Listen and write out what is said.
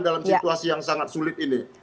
dalam situasi yang sangat sulit ini